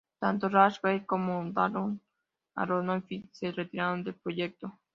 Tanto Rachel Weisz como Darren Aronofsky se retiraron del proyecto.